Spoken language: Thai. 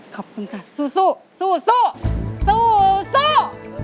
ขอบคุณค่ะสู้สู้สู้สู้สู้สู้